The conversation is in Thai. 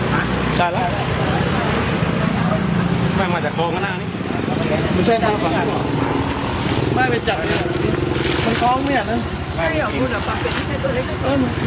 ไม่ใช่ข้างฝั่งนี้หรอ